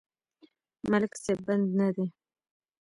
ملک صيب بد نه دی.